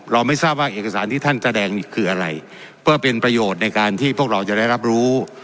ไม่ทราบว่าเอกสารที่ท่านแสดงนี่คืออะไรเพื่อเป็นประโยชน์ในการที่พวกเราจะได้รับรู้